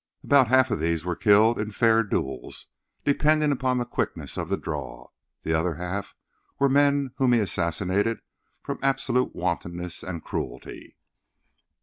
About half of these were killed in fair duels depending upon the quickness of the draw. The other half were men whom he assassinated from absolute wantonness and cruelty.